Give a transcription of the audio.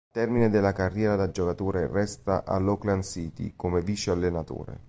Al termine della carriera da giocatore resta nell'Auckland City come vice allenatore.